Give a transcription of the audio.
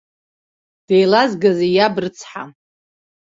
Деилазгазеи иаб рыцҳа!